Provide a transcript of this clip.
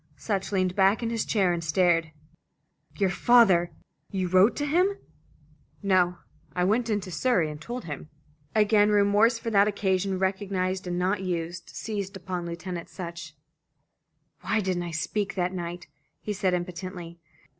Sutch leaned back in his chair and stared. "Your father! You wrote to him?" "No; I went into Surrey and told him." Again remorse for that occasion, recognised and not used, seized upon Lieutenant Sutch. "Why didn't I speak that night?" he said impotently.